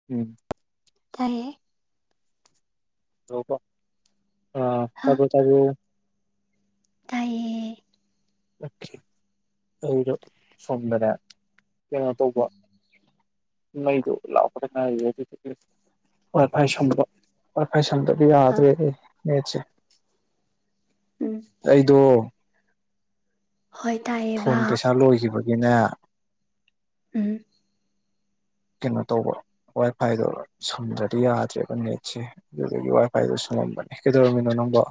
[unintelligible] ꯇꯜꯂꯦ꯫ ꯍꯥ [unintelligible] ꯇꯥꯏꯌꯦ꯫ ꯑꯩꯗꯣ ꯁꯣꯝꯗꯅꯦ ꯀꯩꯅꯣ ꯇꯧꯕ, ꯃꯩꯗꯣ ꯂꯥꯛꯄꯗ ꯉꯥꯏꯔꯤꯌꯦ ꯑꯗꯨꯗꯨꯒꯤ ꯋꯥꯏ ꯐꯥꯏ ꯁꯝꯕ꯫ ꯋꯥꯈ ꯐꯥꯏ ꯁꯝꯗ꯭ꯔꯥꯗꯤ ꯍꯥ ꯌꯗ꯭ꯔꯦ ꯍꯦ꯫ ꯅꯦꯠꯁꯦ ꯎꯝ ꯑꯩꯗꯣ, ꯍꯣꯏ ꯇꯥꯏꯌꯦꯕ ꯐꯣꯟ ꯄꯩꯁꯥ ꯂꯣꯏꯈꯤꯕꯒꯤꯅꯦ, [unintelligible] [inaudible] ꯀꯩꯅꯣ ꯇꯧꯕ ꯋꯥꯏ ꯐꯥꯏꯗꯣ ꯁꯝꯗ꯭ꯔꯗꯤ ꯌꯥꯗ꯭ꯔꯦꯕ ꯅꯦꯠꯁꯦ꯫ ꯑꯗꯨꯗꯒꯤ ꯋꯥꯏ ꯐꯥꯏꯗꯨ ꯁꯝꯃꯝꯕꯅꯦ꯫ ꯀꯩꯗꯧꯔꯝꯃꯤꯅꯣ ꯅꯪꯕꯣ?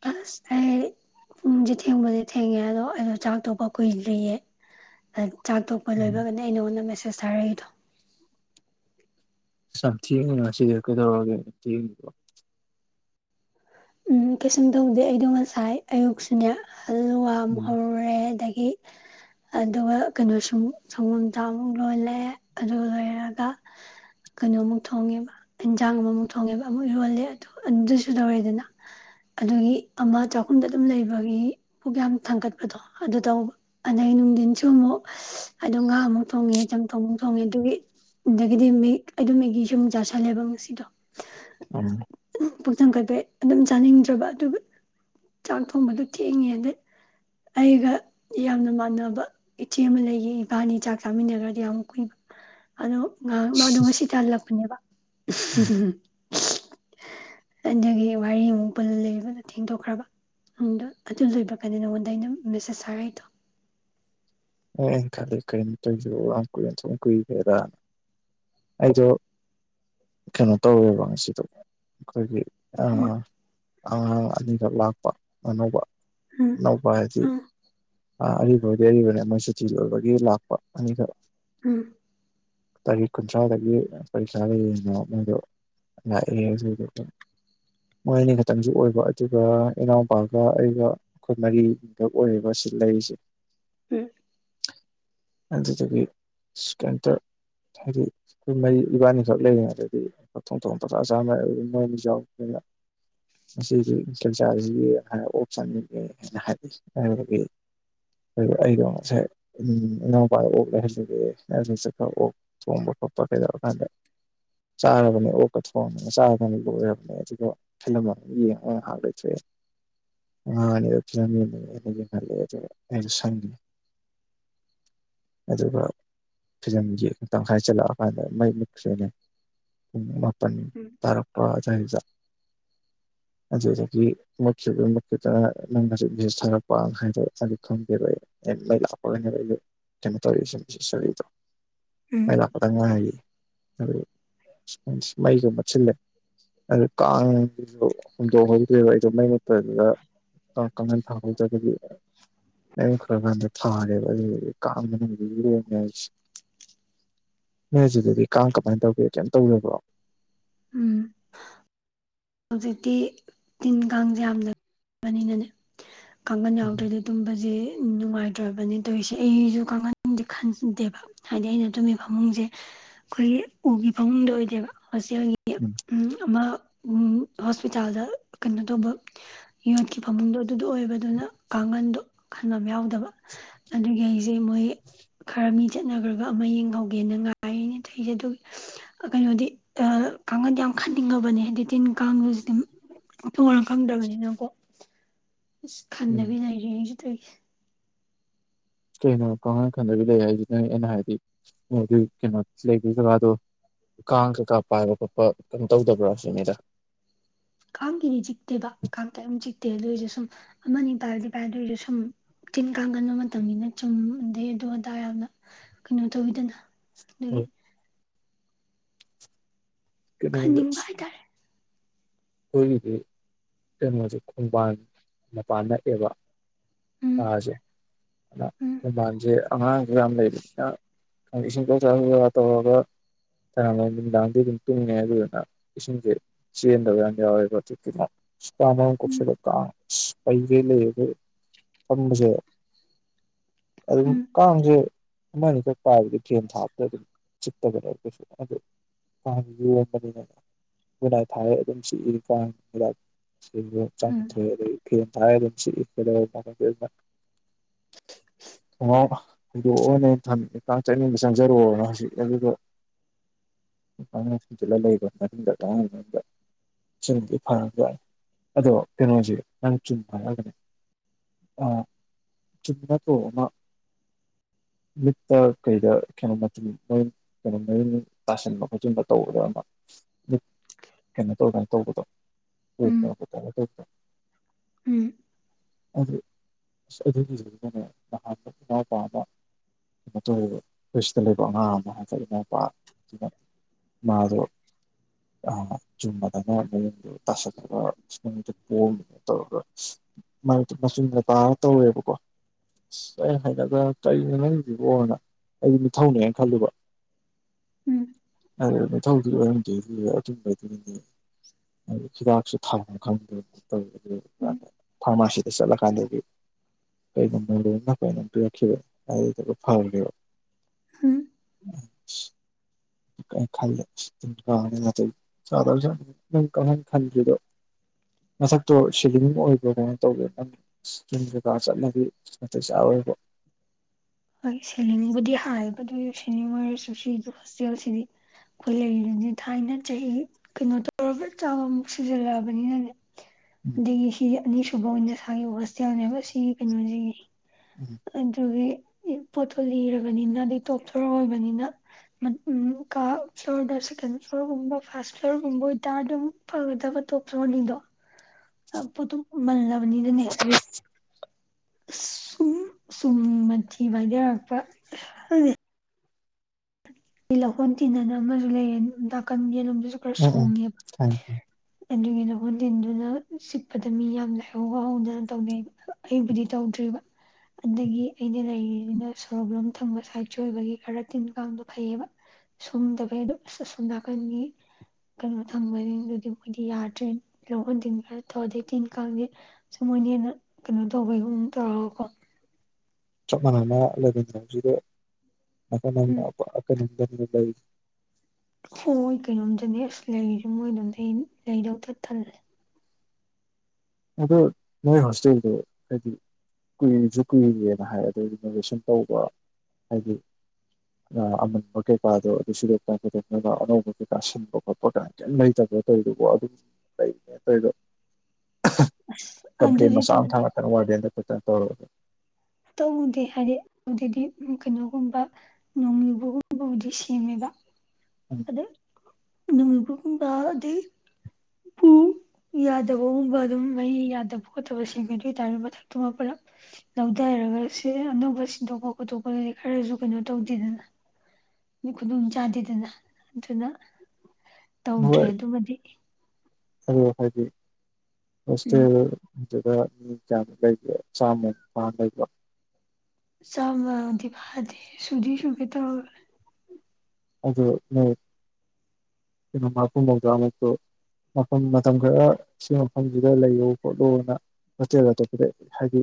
[unintelligible] ꯄꯨꯡꯁꯦ ꯊꯦꯡꯕꯨꯗꯤ ꯊꯦꯡꯉꯦ ꯑꯗꯣ ꯑꯩꯗꯣ ꯆꯥꯛꯇꯣꯡꯄ ꯀꯨꯏꯗ꯭ꯔꯤꯌꯦ꯫ ꯆꯥꯛ ꯇꯣꯛꯄ ꯎꯝ ꯂꯣꯏꯕꯒꯅꯦ ꯑꯩꯅ ꯅꯪꯉꯣꯟꯗ ꯃꯦꯁꯦꯁ ꯊꯥꯔꯛꯏꯗꯣ꯫ ꯌꯝ ꯊꯦꯡꯉꯦꯅ ꯉꯁꯤꯗꯤ ꯀꯩꯗꯧꯔꯒꯦ ꯊꯦꯡꯉꯤꯗꯣ꯫ ꯀꯩꯁꯨꯝ ꯇꯧꯗꯦ ꯑꯩꯗꯣ ꯉꯁꯥꯏ ꯑꯌꯨꯛꯁꯨꯅꯦ ꯍꯂꯨꯋꯥ ꯎꯝ ꯍꯧꯔꯨꯔꯦ ꯑꯗꯒꯤ [inaudible] ꯑꯗꯨꯒ ꯀꯩꯅꯣ ꯁꯨꯝ ꯁꯪꯒꯣꯝ ꯆꯥ ꯑꯃꯨꯛ ꯂꯣꯜꯂꯦ ꯑꯗꯨ ꯂꯣꯏꯔꯒ ꯀꯩꯅꯣꯃꯨꯛ ꯊꯣꯡꯉꯦꯕ ꯏꯟꯖꯥꯡ ꯑꯃꯃꯨꯛ ꯊꯣꯡꯉꯦꯕ ꯑꯃꯨꯛ ꯏꯔꯣꯜꯂꯦ ꯑꯗꯨ ꯑꯗꯨꯁꯨ ꯇꯧꯔꯦꯗꯅ꯫ ꯑꯗꯨꯒꯤ ꯑꯃ ꯆꯈꯨꯝꯗ ꯑꯗꯨꯝ ꯂꯩꯕꯒꯤ ꯄꯨꯛ ꯌꯥꯝ ꯊꯥꯡꯒꯠꯄꯗꯣ ꯑꯗꯨ ꯇꯧꯕ꯫ ꯑꯗꯩ ꯅꯨꯡꯗꯤꯟꯁꯨ ꯑꯃꯨꯛ ꯑꯩꯗꯣ ꯉꯥ ꯑꯃꯨꯛ ꯊꯣꯡꯉꯦ ꯆꯝꯊꯣꯡ ꯑꯃꯨꯛ ꯊꯣꯡꯉꯦ ꯑꯗꯨꯒꯤ꯫ ꯑꯗꯒꯤꯗꯤ ꯑꯩꯗꯣ ꯃꯦꯒꯤ ꯁꯨ ꯑꯃꯨꯛ ꯆꯥꯥꯁꯜꯂꯦꯕ ꯉꯁꯤꯗꯣ꯫ [unintelligible] ꯄꯨꯛ ꯊꯟꯒꯠꯄꯩ ꯑꯗꯨꯝ ꯆꯥꯅꯤꯡꯗ꯭ꯔꯕ ꯑꯗꯨꯒꯤ꯫ ꯆꯥꯛ ꯊꯣꯡꯕꯗꯨ ꯊꯦꯡꯉꯦ ꯑꯗꯩ ꯑꯩꯒ ꯌꯥꯝꯅ ꯃꯥꯟꯅꯕ, ꯏꯆꯦ ꯑꯃ ꯂꯩꯌꯦ ꯏꯕꯥꯅꯤ ꯆꯥꯛ ꯆꯥꯃꯤꯟꯅꯈ꯭ꯔꯗꯤ ꯌꯥꯝ ꯀꯨꯏꯕ ꯑꯗꯣ ꯃꯗꯣ ꯉꯁꯤꯇꯥ ꯍꯜꯂꯛꯄꯅꯦꯕ ꯑꯩ ꯑꯗꯒꯤ, ꯋꯥꯔꯤ ꯑꯃꯨꯛ ꯄꯨꯜꯂ ꯂꯩꯕꯅ ꯊꯦꯡꯗꯣꯛꯈ꯭ꯔꯕ꯫ ꯪꯑꯗꯨ ꯂꯣꯏꯕꯒꯅꯦ ꯅꯉꯣꯟꯗ ꯑꯩꯅ ꯃꯦꯁꯦꯁ ꯊꯥꯔꯛꯏꯗꯣ꯫ ꯑꯩꯅ ꯈꯜꯂꯦ ꯀꯩꯅꯣ ꯇꯧꯏꯁꯤꯕꯣ ꯌꯥꯝ ꯀꯨꯏꯅ ꯁꯨꯝ ꯀꯨꯏꯈ꯭ꯔꯦꯗ ꯍꯥꯏꯅ꯫ ꯑꯩꯗꯣ ꯀꯩꯅꯣ ꯇꯧꯋꯦꯕ ꯉꯁꯤꯗꯣ ꯑꯩꯈꯣꯏꯒꯤ, ꯎꯝ ꯑꯉꯥꯡ ꯑꯅꯤꯈꯛ ꯂꯥꯛꯄ ꯑꯅꯧꯕ꯫ ꯎꯝ ꯏꯅꯥꯎꯄꯥ ꯍꯥꯏꯁꯤ ꯎꯝ ꯑꯔꯤꯕꯥꯎꯗꯤ ꯑꯔꯤꯕꯅꯦ ꯆꯤ ꯂ ꯑꯣꯏꯕꯒꯤ ꯂꯥꯛꯄ ꯑꯅꯤ ꯈꯔ ꯎꯝ ꯇꯥꯔꯤꯛ ꯀꯨꯟꯊ꯭ꯔꯥꯗꯒꯤ ꯄꯔꯤꯁꯥꯗ ꯌꯦꯉ ꯃꯣꯏꯗꯣ ꯁꯨ [unintelligible] ꯃꯥꯏꯅꯤ ꯈꯛꯇꯪꯁꯨ ꯑꯣꯏꯕ ꯑꯗꯨꯒ ꯏꯅꯥꯎꯄꯥꯒ ꯑꯩꯒ ꯑꯩꯈꯣꯏ ꯃꯔꯤꯗ ꯑꯣꯏꯔꯤꯕ ꯁꯤ ꯂꯩꯔꯤꯁꯦ ꯎꯝ ꯑꯗꯨꯗꯒꯤ ꯀꯩꯝꯇ ꯍꯥꯏꯗꯤ ꯑꯩꯈꯣꯏ ꯃꯩ ꯏꯕꯥꯅꯤ ꯈꯛ ꯂꯩꯔꯤꯉꯩꯗꯗꯤꯊꯣꯡ ꯊꯣꯡ ꯄꯆꯥ ꯆꯥꯝꯅ ꯑꯗꯨ ꯃꯣꯏꯅꯤ ꯌꯥꯎꯅ ꯃꯁꯤꯗꯤ ꯏꯟꯐꯨꯆꯥꯥꯔꯁꯤꯅ ꯑꯣꯞꯁꯟꯅꯤꯅꯦ ꯍꯥꯏꯅ ꯍꯥꯏꯕꯤ ꯑꯗꯨꯗꯒꯤ ꯑꯗꯨ ꯑꯩꯗ ꯉꯁꯦ ꯎ ꯏꯅꯥꯎꯄꯥ ꯑꯣꯛꯂꯦ ꯍꯥꯏꯖꯒꯦ ꯅꯁꯠ ꯈꯔ ꯑꯣꯛ ꯊꯣꯡꯕ ꯈꯣꯠꯄ ꯀꯩꯗꯧꯔ ꯀꯥꯟꯗ ꯆꯥꯔꯕꯅꯤ ꯑꯣꯛ ꯀꯊꯣꯡꯑꯅꯤꯅ ꯆꯥꯗꯅ ꯂꯣꯏꯔꯕꯅꯦ ꯑꯗꯨꯒ [unintelligible] ꯌꯦꯡ ꯉꯍꯥꯛ ꯂꯩꯊꯣꯛ ꯑꯦ ꯑ ꯐ ꯁ [unintelligible] ꯑꯗꯨꯒ ꯐꯤꯖꯒꯤ ꯇꯪꯈꯥꯏ ꯆꯜꯂꯛꯑꯀꯥꯟꯗ ꯃꯩ ꯃꯨꯛꯁꯦꯅꯦ ꯄꯨꯡ ꯇꯟ ꯇꯥꯔꯛꯄ [unintelligible] ꯑꯗꯨꯗꯒꯤ ꯃꯨꯠꯈꯤꯕꯗꯨ ꯃꯨꯠꯗꯅ ꯅꯪ ꯍꯧꯖꯤꯛ ꯚꯦꯁ ꯊꯥꯔꯛꯄ ꯍꯥꯏꯔꯣ ꯑꯗꯨ ꯈꯪꯕꯤꯔꯣꯏ [unintelligible] [unintelligible] ꯃꯥꯏ ꯎꯝ ꯂꯥꯛꯄꯗ ꯉꯥꯏꯔꯤ ꯑꯗꯨ ꯃꯩꯁꯨ ꯀꯛꯁꯤꯟꯂꯦ ꯑꯗꯨ ꯀꯥꯡ ꯑꯗꯨ ꯍꯨꯟꯗꯣꯛꯍꯧꯗ꯭ꯔꯦꯕ ꯑꯩꯗꯣ ꯃꯩ ꯃꯨꯠꯈꯔ [unintelligible] ꯀꯥꯡꯈꯟ ꯊꯍꯧꯗꯕꯒꯤ ꯃꯩ ꯃꯨꯠꯈꯔꯀꯟꯗ ꯊꯥꯔꯦ [unintelligible] ꯅꯣꯏ ꯍꯧꯖꯤꯗꯨꯗꯤ ꯀꯥꯡ ꯀꯃꯥꯏꯅ ꯇꯧꯒꯦ ꯀꯩꯝ ꯇꯧꯗꯕ꯭ꯔꯣ ꯎꯝ ꯍꯧꯖꯤꯛꯇꯤ ꯇꯤꯟ ꯀꯥꯡꯁꯦ ꯌꯥꯝꯅ ꯂꯩꯕꯅꯤꯅꯅꯦ ꯀꯥꯡꯒꯟ ꯌꯥꯎꯗ꯭ꯔꯦꯗꯤ ꯎꯝ ꯑꯗꯨꯝꯕꯁꯦ ꯅꯨꯡꯉꯥꯏꯇ꯭ꯔꯕꯅꯤ ꯇꯧꯔꯤꯁꯦ ꯑꯩꯁꯨ ꯀꯥꯡꯈꯟꯗꯤ ꯈꯟꯗꯦꯕ ꯍꯥꯏꯗꯤ ꯑꯩꯅ ꯇꯨꯝꯃꯤ ꯐꯃꯨꯡꯁꯦ ꯑꯩꯈꯣꯏꯒꯤ ꯎꯒꯤ ꯐꯃꯨꯡꯗ ꯑꯣꯏꯗꯦꯕ ꯍꯣꯁꯦꯜꯒꯤ ꯎꯝ ꯎꯝ ꯑꯃ ꯍꯣꯁꯄꯤꯇꯥꯜꯗ ꯀꯩꯅꯣ ꯇꯧꯕ ꯌꯣꯠꯀꯤ ꯐꯥꯃꯨꯡꯗꯣ ꯑꯗꯨꯗꯣ ꯑꯣꯏꯕꯗꯨꯅ ꯀꯥꯡꯈꯟꯗꯣ ꯈꯟꯕꯝ ꯌꯥꯎꯗꯕ ꯑꯗꯨꯒꯤ ꯑꯩꯁꯦ ꯃꯣꯏ ꯈꯔ ꯃꯤ ꯆꯠꯅꯒ꯭ꯔꯒ ꯑꯃ ꯌꯦꯡꯍꯧꯒꯦꯅ ꯉꯥꯏ ꯊꯩꯁꯦ ꯑꯗꯨ ꯑꯥ ꯀꯩꯅꯣꯗꯤ ꯑ ꯀꯡꯈꯪꯍꯟ ꯌꯥꯝ ꯈꯟꯅꯤꯡꯉꯕꯅꯦ ꯍꯥꯏꯗꯤ ꯇꯤꯟ ꯀꯥꯡꯗꯨꯁꯨ ꯍꯧꯖꯤꯛꯇꯤ ꯃꯐꯝ ꯃꯔꯥꯡ ꯈꯪꯗꯕꯅꯤꯅꯀꯣ ꯑꯁ ꯎꯝ ꯈꯟꯅꯗꯕꯤ ꯂꯩꯔꯤ ꯑꯩꯁꯨꯗꯒꯤ ꯀꯩꯅꯣ ꯀꯈꯜ ꯈꯟꯗꯕꯤ ꯂꯩ ꯍꯥꯏꯁꯤꯅꯦ ꯑꯩꯅ ꯍꯥꯏꯗꯤ ꯃꯣꯏꯒꯤ ꯀꯩꯅꯣ ꯂꯩꯕ ꯖꯒꯥꯗꯣ ꯀꯥꯡ ꯀꯩꯀꯥ ꯄꯥꯏꯕ ꯈꯣꯠꯄ ꯀꯩꯅꯣ ꯇꯧꯗꯕ꯭ꯔꯥ ꯁꯤꯅꯤꯗ ꯀꯥꯡꯒꯤꯗꯤ ꯆꯤꯛꯇꯦꯕ ꯀꯥꯡ ꯀ ꯑꯗꯨꯝ ꯆꯤꯛꯇꯦ ꯑꯗꯨ ꯑꯣꯏꯏꯔꯁꯨ ꯁꯨꯝ ꯑꯃꯅꯤ ꯇꯥꯔꯗꯤ ꯄꯥꯏ ꯑꯗꯨ ꯑꯣꯏꯔꯁꯨ ꯁꯨꯝ ꯇꯤꯟ ꯀꯥꯡꯒꯟꯕ ꯃꯇꯝꯅꯤꯅ ꯆꯨꯝꯗꯦ ꯑꯗꯨꯗꯣ ꯑꯗꯥ ꯌꯥꯝꯅ ꯀꯩꯅꯣ ꯇꯧꯤꯗꯅ ꯑꯗꯨꯒꯤ ꯈꯟꯅꯤꯡꯕ [unintelligible] ꯍꯥꯏꯇꯥꯔꯦ ꯑꯩꯈꯣꯏꯒꯤꯗꯤ ꯀꯩꯅꯣꯁꯦ ꯈꯣꯡꯕꯥꯟ ꯃꯄꯥꯟ ꯅꯛꯑꯦꯕ ꯎꯝ ꯊꯥꯁꯦ ꯎꯝ ꯈꯣꯡꯕꯥꯟꯁꯦ ꯑꯉꯥꯡꯁꯨ ꯌꯥꯝ ꯂꯩꯅꯤꯅ [unintelligible] ꯇꯧꯔꯒꯥ ꯅꯨꯡꯗꯥꯡꯗꯤ ꯑꯗꯨꯝ ꯇꯨꯡꯉꯦ ꯑꯗꯨꯗꯨꯅ ꯏꯁꯤꯡꯁꯦ ꯆꯦꯟꯗꯕ ꯎꯝ ꯌꯥꯅꯦ꯫ [unintelligible] ꯐꯝꯕꯁꯦ ꯑꯗꯨꯝ ꯎꯝ ꯀꯥꯡꯁꯦ, ꯑꯃ ꯑꯅꯤꯈꯛ ꯄꯥꯏꯕꯗꯤ ꯐꯦꯟ ꯊꯥꯕꯗ ꯑꯗꯨꯝ ꯆꯤꯛꯇꯕꯅꯦ ꯀꯩꯁꯨ ꯑꯗꯨ, ꯀꯥꯡ ꯌꯣꯝꯕꯅꯤꯅ ꯒꯨꯠꯇꯠ ꯊꯥꯔꯦ ꯑꯗꯨꯝ꯫ ꯎꯝ [unintelligible] [unintelligible] ꯈꯣꯡꯅꯥꯎ ꯍꯣꯏꯗꯣꯛꯑꯣꯅ ꯑꯩꯅ ꯊꯝꯃꯤꯁꯦ ꯀꯥꯡ ꯆꯪꯅꯤꯡꯕ ꯆꯪꯖꯔꯣꯅ ꯍꯨꯖꯤꯛ ꯑꯗꯨꯒ [unintelligible] ꯆꯨꯝꯗꯤ ꯐꯔꯗ ꯑꯗꯣ ꯀꯩꯅꯣꯁꯦ ꯅꯪ ꯆꯨꯝꯅ ꯍꯥꯏꯔꯛꯒꯅꯤ꯫ ꯆꯨꯝ ꯅꯠꯇ꯭ꯔꯣ ꯑꯃ, ꯃꯤꯠꯇ ꯀꯩꯗ ꯀꯩꯅꯣ ꯃꯆꯨꯝ ꯀꯩꯅꯣ ꯃꯌꯨꯝ ꯇꯥꯁꯟꯕ ꯈꯣꯠꯆꯤꯟꯕ ꯇꯧꯕꯗ ꯑꯃ ꯀꯩꯅꯣ ꯇꯧꯔ ꯎꯝ [unintelligible] ꯎꯝ ꯑꯗꯨ ꯑꯁ ꯑꯗꯨꯒꯤꯗꯨꯗꯅꯦ ꯅꯍꯥꯟꯗ ꯏꯅꯥꯎꯄ ꯑꯃ [unintelligible] ꯃꯥꯗꯣ ꯑ ꯆꯨꯝꯃ [unintelligible] ꯃꯆꯨꯝꯗ ꯇꯥꯔ ꯇꯧꯋꯦꯕꯀꯣ꯫ ꯑꯁ ꯑꯩꯅ ꯍꯩꯅꯗꯅ ꯀꯩꯅꯣ ꯅꯪꯁꯤꯕꯣꯅ ꯑꯩꯗꯤ ꯅꯤꯡꯊꯧꯅꯦ ꯈꯜꯂꯨꯕ꯫ ꯎꯝ ꯑꯗꯨ ꯃꯊꯧꯗꯨ ꯑꯣꯏꯔꯝꯗꯦ ꯑꯗꯨ ꯑꯗꯨꯝꯕꯗꯨꯅꯦ꯫ [inaudible] ꯑꯗꯨ ꯍꯤꯗꯥꯛꯁꯨ ꯊꯝꯕ ꯈꯪꯗ ꯇꯧꯋꯤ ꯎꯝ ꯑꯗꯨꯗꯗꯤ ꯐꯥꯔꯃꯥꯁꯤꯗ ꯆꯠꯂꯀꯥꯟꯗꯗꯤ ꯀꯩꯒꯕ ꯃꯣꯂꯣꯝꯂ ꯀꯩꯅꯣ ꯄꯤꯔꯛꯈꯤꯕꯅꯦ ꯍꯥꯏꯗꯨꯒ ꯐꯥꯈ꯭ꯔꯦꯕ꯫ [unintelligible] [unintelligible] ꯃꯊꯛꯇꯣ ꯁꯤꯂꯤꯡ ꯑꯣꯏꯕ꯭ꯔꯣ ꯀꯩꯅꯣ ꯇꯧꯋꯦ ꯅꯪ [unintelligible] ꯍꯣꯏ ꯁꯤꯂꯤꯡꯕꯨꯗꯤ ꯍꯥꯏꯌꯦꯕ ꯑꯗꯨꯁꯨ ꯁꯤꯂꯤꯡ ꯑꯣꯏꯔꯁꯨ ꯁꯤ ꯍꯣꯁꯇꯦꯜꯁꯤꯗꯤ, ꯑꯩꯈꯣꯏ ꯂꯩꯔꯗꯤ ꯊꯥꯏꯅ ꯆꯍꯤ ꯀꯩꯅꯣ ꯇꯧꯔꯕ ꯆꯥꯕ ꯑꯃꯨꯛ ꯁꯤꯖꯜꯂꯛꯑꯕꯅꯤꯅꯅꯦ꯫ ꯎꯝ ꯑꯗꯒꯤ ꯁꯤ ꯑꯅꯤꯁꯨꯕ ꯑꯣꯏꯅ ꯁꯥꯒꯤꯕ ꯍꯣꯁꯇꯦꯜꯅꯦꯕ ꯁꯤꯒꯤ ꯀꯩꯅꯣꯁꯤꯒꯤ꯫ [inaudible] ꯑꯗꯨꯒꯤ ꯄꯣꯊꯣ ꯂꯤꯔꯕꯔꯕꯅꯤꯅ ꯑꯗꯩ ꯇꯣꯞ ꯊꯣꯔꯣ ꯑꯣꯏꯕꯅꯤꯅ꯫ ꯀꯥ ꯐ꯭ꯂꯣꯔꯗ ꯁꯦꯀꯦꯟ ꯐ꯭ꯂꯣꯔꯒꯨꯝꯕ ꯐꯥꯔꯁ ꯐ꯭ꯂꯣꯔꯒꯨꯝꯕ ꯑꯣꯏꯇꯥꯔ ꯑꯗꯨꯝ ꯐꯒꯗꯕ ꯇꯣꯜ ꯐ꯭ꯂꯣꯔꯅꯤꯗꯣ꯫ ꯑ ꯄꯣꯠꯇꯣ ꯃꯜꯂꯕꯅꯤꯗꯅꯦ, [inaudible] ꯁꯨꯝ ꯆꯨꯝ ꯃꯊꯤ ꯄꯥꯏꯊꯔꯛꯄ꯫ ꯂꯧꯍꯣꯟ ꯇꯤꯟꯅ ꯑꯃꯁꯨ ꯂꯩꯔꯦ ꯅꯥꯀꯟ ꯌꯦꯠ ꯂꯣꯝꯗꯨꯁꯨ ꯈꯔ ꯎꯝ ꯎꯝ ꯁꯣꯡꯉꯦꯕ꯫ ꯈꯪꯉꯦ ꯈꯪꯉꯦ ꯑꯗꯨꯒꯤꯅ ꯍꯣꯟ ꯇꯤꯟꯗꯨꯅ ꯆꯤꯛꯄꯗ ꯃꯤ ꯌꯥꯝ ꯂꯥꯏꯍꯧꯒ ꯍꯧꯗꯅ ꯇꯧꯅꯩꯕ꯫ ꯑꯩꯕꯨꯗꯤ ꯇꯧꯗ꯭ꯔꯤꯕ꯫ ꯑꯗꯒꯤ ꯑꯩꯗꯤ ꯂꯩꯔꯤꯅꯤꯅ ꯁꯣꯔꯣꯛꯂꯣꯝ ꯊꯪꯕ ꯁꯥꯏꯠꯁꯨ ꯑꯣꯏꯕꯒꯤ ꯈꯔ ꯇꯤꯟ ꯀꯥꯡꯗꯣ ꯐꯩꯌꯦꯕ ꯁꯣꯡꯗꯕꯩ ꯑꯗꯣ ꯑꯁ ꯑꯁꯣꯝ ꯅꯥꯀꯟꯒꯤ, ꯀꯩꯅꯣ ꯊꯝꯕꯁꯤꯡꯗꯨꯗꯤ ꯃꯣꯏꯗꯤ ꯌꯥꯗ꯭ꯔꯦ ꯂꯧꯍꯣꯟ ꯇꯤꯟ ꯇꯧ ꯗꯩ ꯇꯤꯟ ꯀꯥꯡꯗꯤ ꯁꯨꯝ ꯃꯣꯏꯅ ꯍꯦꯟꯅ ꯀꯩꯅꯣ ꯇꯧꯕꯒꯤꯒꯨꯝ ꯇꯧꯔꯒꯀꯣ ꯆꯞ ꯃꯥꯟꯅꯅ ꯂꯩꯃꯤꯟꯅꯕꯁꯤꯗ ꯅꯥꯀꯟ ꯑꯝꯗ ꯎꯝ ꯄꯨꯔꯥ ꯀꯩꯅꯣꯝ ꯂꯩ ꯍꯣꯏ ꯀꯩꯅꯣꯝꯗꯅꯦ ꯑꯁ ꯂꯩꯔꯤꯁꯦ ꯃꯣꯏꯗꯣꯝ ꯂꯩꯗꯒ ꯇꯜꯂꯦ ꯑꯗꯣ ꯅꯣꯏ ꯍꯣꯁꯇꯦꯜꯗ ꯍꯥꯏꯗꯤ ꯀꯨꯏꯁꯨ ꯀꯨꯏꯔꯦꯅ ꯍꯥꯏ ꯑꯗꯣ ꯔꯤꯅꯣꯚꯦꯁꯟ ꯇꯧꯕ ꯍꯥꯏꯗꯤ ꯑꯃꯟꯕ ꯀꯩꯀꯥꯗꯣ ꯑꯗꯨꯁꯨꯗꯣꯛꯇꯥꯏꯗꯣꯛꯅꯕ ꯑꯅꯧꯕ ꯀꯩꯀꯥ ꯁꯤꯟꯕ ꯈꯣꯠꯄ ꯀꯥꯏꯅ ꯈꯤꯇꯪ ꯂꯩꯇꯕ꯭ꯔꯣ ꯇꯧꯔꯤꯗꯨꯕꯣ ꯑꯗꯨꯝ ꯂꯩꯅꯦ ꯇꯣꯏꯗꯣ ꯑꯁ ꯀꯝꯄ꯭ꯂꯦꯟ ꯑꯗꯨꯗꯤ ꯃꯆꯥ ꯇꯧ ꯃꯊꯪ ꯉꯥꯛꯇꯪ ꯋꯥꯔꯗꯦꯟꯗ ꯈꯣꯠꯇꯅ ꯇꯧꯔꯒ ꯇꯧꯗꯦ ꯍꯥꯏꯗꯤ ꯑꯗꯨꯗꯤ ꯀꯩꯅꯣꯒꯨꯝꯕ ꯅꯣꯡꯌꯨꯕꯒꯨꯝꯕꯕꯨꯗꯤ ꯁꯦꯝꯃꯦꯕ ꯎꯝ ꯑꯗꯩ ꯅꯣꯡꯌꯨꯕꯒꯨꯝꯕ ꯑꯗꯩ ꯎꯄꯨ [inaudible] ꯌꯥꯗꯕꯒꯨꯝꯕ ꯑꯗꯨꯝ ꯃꯍꯩ ꯌꯥꯗꯕ ꯈꯣꯠꯇꯕꯁꯤꯡ ꯑꯗꯨ ꯑꯗꯨ ꯑꯣꯏꯇꯥꯔꯖꯨ ꯃꯊꯛꯇꯨꯃ ꯄꯨꯂꯞ ꯂꯧꯊꯔꯒ ꯁꯤ ꯑꯅꯧꯕ ꯁꯤꯟꯗꯣꯛꯄ ꯈꯣꯠꯇꯣꯛꯄꯗꯨꯗꯤ ꯈꯔꯁꯨ ꯀꯩꯅꯣ ꯇꯧꯗꯦꯗꯅ ꯈꯨꯗꯣꯡ ꯆꯥꯗꯦꯗꯅ ꯑꯗꯨꯅ ꯇꯧꯗ꯭ꯔꯦ ꯑꯗꯨꯃꯗꯤ ꯑꯗꯨ ꯍꯥꯏꯗꯤ ꯎꯝ ꯍꯣꯁꯇꯦꯜ ꯑꯗꯨꯗ ꯃꯤ ꯀꯌꯥꯃꯨꯛ ꯂꯩꯒꯦ ꯆꯥꯝꯃ ꯄꯥꯅꯥ ꯂꯩꯕꯔꯣ ꯆꯥꯝꯃꯥꯗꯤ ꯐꯥꯗꯦ ꯁꯨꯗꯤ ꯁꯨꯒꯦ ꯇꯧꯌꯦ ꯑꯗꯨ ꯅꯣꯢ ꯃꯥꯔꯐꯨ ꯃꯧꯗꯔꯥ ꯃꯨꯛꯇꯣ ꯃꯐꯝ ꯃꯇꯝ ꯈꯔ ꯁꯤ ꯃꯐꯝꯁꯤꯗ ꯂꯩꯌꯣ ꯈꯣꯠꯂꯣꯅ ꯍꯣꯁꯇꯦꯜ ꯑꯇꯣꯞꯄꯗ ꯍꯥꯏꯗꯤ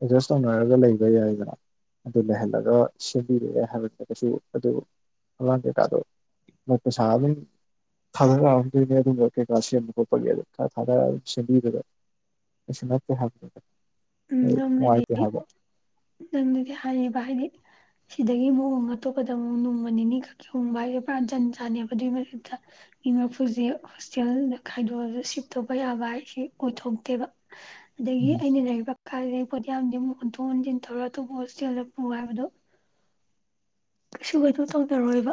ꯑꯦꯠꯖꯁ ꯇꯧꯅꯔꯒ ꯂꯩꯕ ꯌꯥꯏꯗꯅ ꯑꯗꯨ ꯂꯩꯍꯜꯂꯒ ꯁꯦꯝꯕꯤꯔꯦ ꯍꯥꯏꯕꯗꯨꯒꯁꯨ ꯑꯗꯨ ꯑꯉꯥꯡ ꯀꯩꯀꯥꯗꯣ ꯃꯔꯛꯇ ꯁꯥꯥꯔꯝꯅꯤ ꯊꯥꯗꯔꯛꯑꯝꯗꯣꯏꯅꯦ ꯑꯗꯨꯒꯝꯕ ꯀꯩꯀꯥ ꯁꯦꯝꯕ ꯈꯣꯠꯄꯒꯦ ꯈꯔ ꯊꯥꯗꯔ ꯁꯦꯝꯕꯤꯕꯗ ꯀꯩꯁꯨ ꯅꯠꯇꯦ ꯍꯥꯏꯕ ꯎꯝ ꯃꯅꯨꯡꯉꯥꯏꯇ ꯍꯥꯏꯕ ꯅꯪꯅꯗꯤ ꯍꯥꯏꯔꯤꯕ ꯍꯥꯏꯗꯤ ꯁꯤꯗꯒꯤ ꯑꯃꯨꯛ ꯍꯣꯡ ꯑꯇꯣꯞꯄꯗ ꯑꯃꯨꯛ ꯅꯣꯡꯃ ꯅꯤꯅꯤ ꯈꯛꯀꯤ ꯍꯣꯡꯕ ꯍꯥꯏꯁꯦ ꯄꯨꯔꯥ ꯖꯟ ꯆꯥꯅꯤꯕ ꯑꯗꯨꯏ ꯃꯊꯛꯇ ꯃꯤ ꯃꯥꯔꯐꯨꯁꯦ ꯍꯣꯁꯇꯦꯜꯗ ꯈꯥꯏꯗꯣꯛꯑꯒ ꯁꯤꯐ ꯇꯧꯕ ꯌꯥꯕ ꯍꯥꯏꯁꯦ ꯑꯣꯏꯊꯣꯛꯇꯦꯕ ꯑꯗꯒꯤ ꯎꯝ ꯑꯩꯅ ꯂꯩꯔꯤꯕ ꯀꯥꯁꯤꯗꯒꯤ ꯄꯣꯠ ꯍꯣꯟꯊꯣꯛ ꯍꯣꯟꯖꯤꯟ ꯊꯧꯔ ꯑꯇꯣꯞꯄ ꯍꯣꯁꯇꯦꯜꯗ ꯄꯨ ꯍꯥꯏꯕꯗꯣ ꯀꯩꯁꯨ ꯀꯩꯅꯣ ꯇꯧꯅꯔꯣꯏꯕ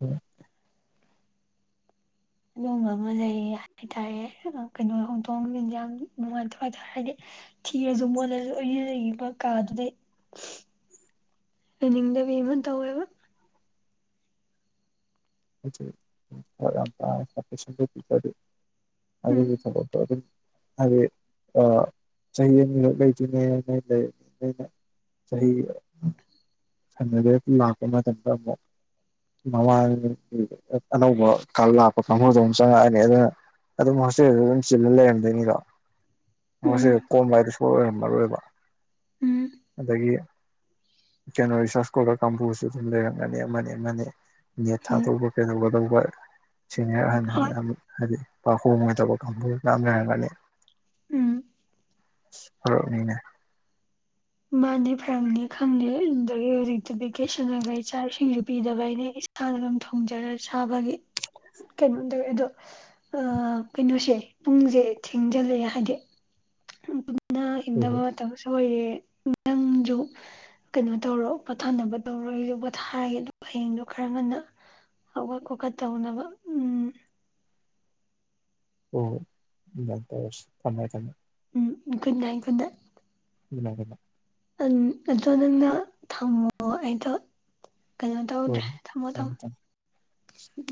ꯎꯝ ꯑꯗꯨꯒꯕ ꯑꯃ ꯂꯩ ꯍꯥꯏꯇꯥꯔꯦ ꯀꯩꯅꯣ ꯍꯣꯡꯊꯣꯡ ꯟꯁꯥꯡ ꯅꯨꯡꯉꯥꯏꯇꯉꯥꯏꯇꯥꯔꯦ ꯍꯥꯏꯗꯤ ꯊꯤꯔꯁꯨ ꯃꯣꯠꯂꯁꯨ ꯑꯩꯒꯤ ꯂꯩꯔꯤꯕ ꯀꯥꯗꯨꯗꯩ [inaudible] ꯂꯩꯅꯤꯡꯗꯕꯤ ꯑꯃ ꯇꯧꯋꯦꯕ [unintelligible] ꯎꯝ ꯑꯗꯨꯒꯤ ꯊꯕꯛꯇꯣ ꯑꯗꯨꯝ ꯍꯥꯏꯕꯗꯤ ꯆꯍꯤ ꯑꯅꯤꯈꯛ ꯂꯩꯗꯣꯢꯅꯤ ꯑꯩꯅ ꯆꯍꯤ [unintelligible] ꯂꯥꯛꯄ ꯃꯇꯝꯗ ꯑꯃꯨꯛ ꯃꯃꯥꯡ ꯑꯅꯧꯕ ꯂꯥꯛꯄ ꯀꯥꯡꯒꯨꯗꯣ ꯑꯃꯨꯛ ꯆꯪꯉꯛꯑꯅꯤ ꯑꯗꯨꯅ ꯑꯗꯨꯝ ꯍꯣꯁꯇꯦꯜꯗꯤ ꯑꯗꯨꯝ ꯆꯤꯜꯂ ꯂꯩꯔꯝꯗꯣꯏꯅꯤꯗꯣ ꯎꯝ ꯍꯣꯁꯇꯦꯜ ꯀꯣꯝꯕ ꯍꯥꯏꯗꯨ ꯁꯨꯡ ꯑꯣꯏꯔꯝꯃꯔꯣꯏꯕ ꯎꯝ ꯑꯗꯒꯤ ꯀꯩꯅꯣ ꯔꯤꯔꯥꯁ ꯁꯀꯣꯜꯂꯔ ꯀꯥꯡꯕꯨꯁꯨ ꯑꯗꯨꯝ ꯂꯩꯔꯝꯒꯅꯤ ꯑꯃꯅꯤ ꯑꯃꯅꯤ ꯅꯦꯠ ꯎꯝ ꯊꯥꯗꯧꯕ ꯀꯩꯩꯗꯧꯒꯗꯧꯕ ꯁꯦꯅꯤꯔ ꯑꯍꯟ ꯍꯣꯏ ꯍꯥꯏꯗꯤ ꯄꯥꯛ ꯍꯣꯡꯉꯣꯢꯗꯧꯕ ꯀꯥꯡꯕꯨ ꯌꯥꯝ ꯂꯩꯔꯝꯒꯅꯤ ꯎꯝ ꯄꯥꯔꯛꯅꯤꯅꯦ ꯃꯥꯅꯦ ꯐꯔꯝꯅꯤ ꯈꯪꯗꯦ ꯑꯗꯨꯗꯒꯤ ꯍꯧꯖꯤꯛꯇꯤ ꯚꯦꯀꯦꯁꯟꯒ ꯑꯣꯢꯕꯩ ꯆꯥꯛꯏꯁꯤꯡꯁꯨ ꯄꯤꯗꯕꯩꯅꯦ ꯏꯁꯥꯅ ꯑꯗꯨꯝ ꯊꯣꯡꯖꯔ ꯆꯥꯕꯒꯤ ꯀꯩꯅꯣꯝ ꯇꯧꯋꯦ ꯑꯗꯣ ꯀꯩꯅꯣꯁꯦ ꯄꯨꯡꯁꯦ ꯊꯦꯡꯖꯜꯂꯛꯑꯦ ꯍꯥꯏꯗꯤ ꯇꯨꯝꯅ ꯍꯣꯏ ꯍꯤꯞꯅꯕ ꯍꯣꯏ ꯃꯇꯝꯁꯨ ꯑꯣꯏꯔꯦ ꯅꯪꯖꯨ ꯀꯩꯅꯣ ꯇꯧꯔꯣ ꯄꯣꯊꯥꯅꯕ ꯇꯧꯔꯣ ꯑꯩꯁꯨ ꯄꯣꯊꯥꯔꯒꯦ ꯑꯗꯨ ꯍꯌꯦꯡꯗꯣ ꯈꯔ ꯉꯟꯅ ꯍꯧꯒꯠ ꯈꯣꯀꯠ ꯇꯧꯅꯕ ꯎꯝ ꯍꯣꯏ ꯍꯣꯏ ꯑꯗꯨꯃꯥꯢ ꯇꯧꯔꯁꯤ ꯊꯝꯃꯦ ꯊꯝꯃꯦ ꯎꯝ ꯒꯨꯠꯅꯥꯏꯠ ꯒꯨꯠꯅꯥꯏꯠ [unintelligible] ꯑꯗꯣ ꯅꯪꯅ ꯊꯝꯃꯣ ꯑꯩꯗꯣ ꯀꯩꯅꯣ ꯇꯧꯗ꯭ꯔꯦ ꯊꯝꯃꯦ ꯊꯝꯃꯣ ꯊꯝꯃꯣ ꯊꯝꯃꯦ ꯎꯝ